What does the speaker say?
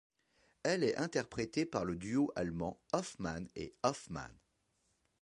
Elle est interprétée par le duo allemand Hoffmann et Hoffmann.